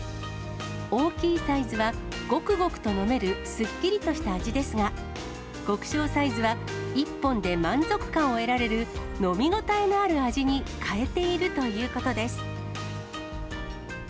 大きいサイズはごくごくと飲めるすっきりとした味ですが、極小サイズは、１本で満足感を得られる、飲み応えのある味に変えているということです。